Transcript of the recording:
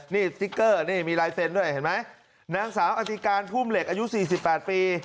นี่สติ๊กเกอร์นี่มีลายเซ็นต์ด้วยเห็นไหมนางสาวอธิการพุ่มเหล็กอายุ๔๘ปี